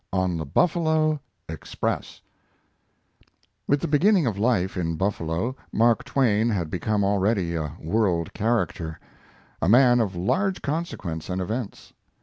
ON THE BUFFALO "EXPRESS" With the beginning of life in Buffalo, Mark Twain had become already a world character a man of large consequence and events.